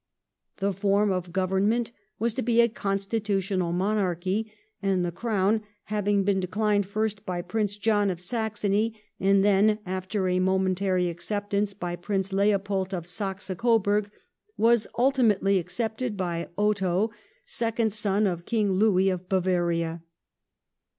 The form of Government was to be a constitutional monarchy, and the Crown having been declined, first by Prince John of Saxony, and then, after a momentary acceptance, by Prince Leopold of Saxe Coburg, was ultimately accepted by Otto, second son of King Louis of Bavaria.